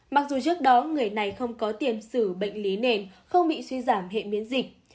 mặc dù trước đó người này không có tiền xử bệnh lý nền không bị suy giảm hệ miễn dịch